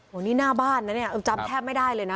โอ้โหนี่หน้าบ้านนะเนี่ยจำแทบไม่ได้เลยนะ